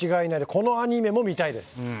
このアニメも見たいです。